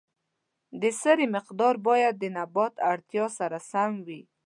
د سرې مقدار باید د نبات اړتیا سره سم وي.